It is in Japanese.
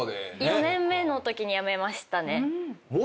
４年目のときに辞めましたね。